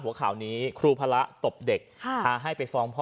หัวข่าวนี้ครูพระตบเด็กพาให้ไปฟ้องพ่อ